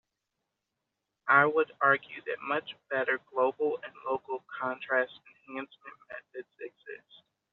I would argue that much better global and local contrast enhancement methods exist.